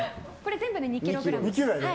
全部で２ｋｇです。